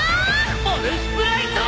ボルスプライト！